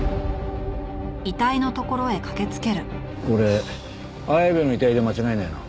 これ綾部の遺体で間違いないな。